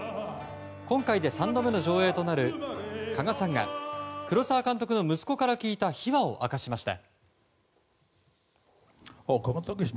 今回で３度目の上演となる鹿賀さんが黒澤監督の息子から聞いた秘話を明かしました。